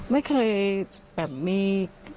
ไม่เคยเหมือนมี